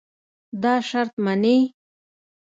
دا شرط منې.